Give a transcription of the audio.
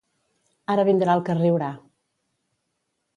Ara vindrà el que riurà.